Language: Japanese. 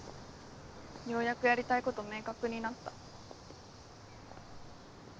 ようやくやりたいこと明確になった。